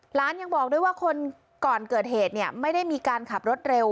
หลานยังบอกด้วยว่าคนก่อนเกิดเหตุเนี่ยไม่ได้มีการขับรถเร็ว